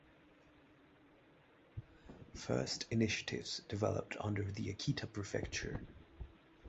First initiatives developed under the Akita prefecture.